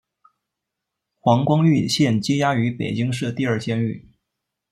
黄光裕现羁押于北京市第二监狱。